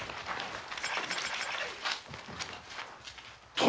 殿！